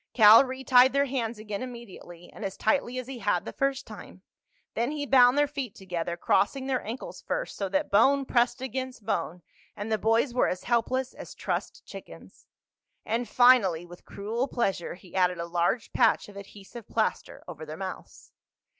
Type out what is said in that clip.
Cal retied their hands again immediately, and as tightly as he had the first time. Then he bound their feet together, crossing their ankles first so that bone pressed against bone and the boys were as helpless as trussed chickens. And finally, with cruel pleasure, he added a large patch of adhesive plaster over their mouths.